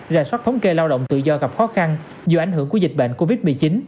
rà soát thống kê lao động tự do gặp khó khăn do ảnh hưởng của dịch bệnh covid một mươi chín